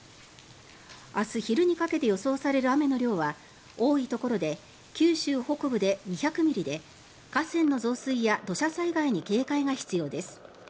明日昼にかけて予想される雨の量は多いところで九州北部で２００ミリで河川の増水や土砂災害に警戒が必要です。